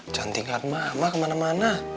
cantik kan mama kemana mana